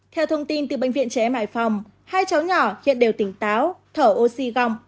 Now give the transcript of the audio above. theo thông tin từ bệnh viện trẻ hải phòng hai cháu nhỏ hiện đều tỉnh táo thở oxy gng